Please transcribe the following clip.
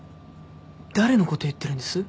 誰のこと言ってるんです？